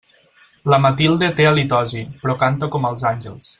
La Matilde té halitosi, però canta com els àngels.